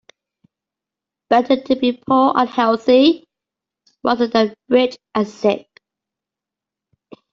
Better to be poor and healthy rather than rich and sick.